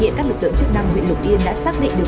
hiện các lực lượng chức năng huyện lục yên đã xác định được